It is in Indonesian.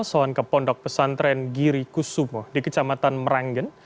soan ke pondok pesantren giri kusumo di kecamatan meranggen